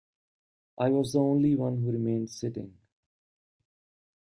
I was the only one who remained sitting.